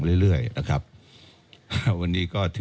แล้วถ้าคุณชุวิตไม่ออกมาเป็นเรื่องกลุ่มมาเฟียร์จีน